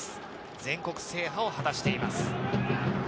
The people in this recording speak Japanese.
全国制覇を果たしています。